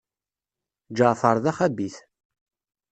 Ǧaɛfeṛ d axabit.